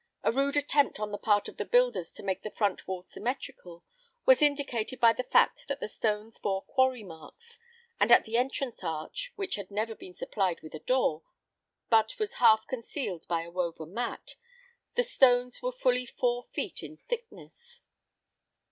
A rude attempt on the part of the builders to make the front wall symmetrical was indicated by the fact that the stones bore quarry marks, and at the entrance arch, which had never been supplied with a door, but was half concealed by a woven mat, the stones were fully four feet in thickness.